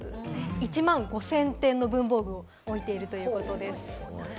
１万５０００点の文房具を置いているということです。